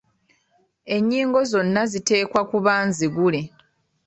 Ennyingo zonna ziteekwa kuba nzigule.